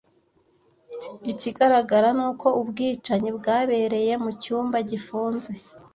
Ikigaragara ni uko ubwicanyi bwabereye mu cyumba gifunze.